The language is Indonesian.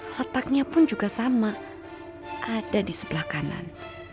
letaknya pun juga sama ada di sebelah kanan